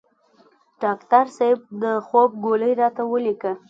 ډاکټر صیب د خوب ګولۍ راته ولیکه